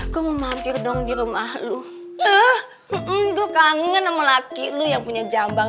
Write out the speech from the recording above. gua mau mampir dong di rumah lu tuh enggak kangen sama laki laki yang punya jambang